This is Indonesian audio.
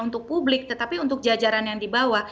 untuk publik tetapi untuk jajaran yang dibawa